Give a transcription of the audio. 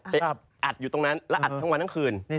อัดอยู่ตรงนั้นแล้วอัดทั้งวันทั้งคืน